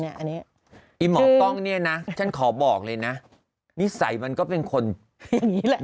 อันนี้ไอ้หมอกล้องเนี่ยนะฉันขอบอกเลยนะนิสัยมันก็เป็นคนอย่างนี้แหละ